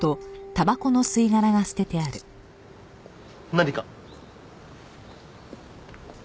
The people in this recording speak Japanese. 何か？